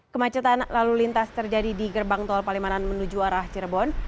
kemacetan lalu lintas terjadi di gerbang tol palimanan menuju arah cirebon